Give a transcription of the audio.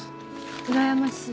うらやましい？